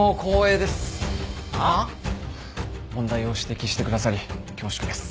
問題を指摘してくださり恐縮です。